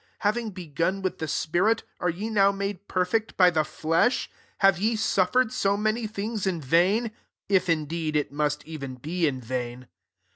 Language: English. having begun with the spirit, are ye now made perfect by the flesh ? 4 Have ye suffered so many things in vain ? if indeed it must even be in vain.